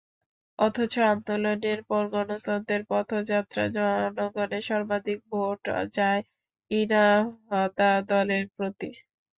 অথচ আন্দোলনের পর গণতন্ত্রের পথযাত্রায় জনগণের সর্বাধিক ভোট যায় ইনাহদা দলের প্রতি।